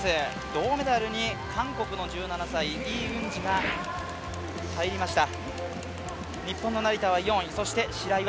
銅メダルに韓国の１７歳、イ・ウンジが入りました。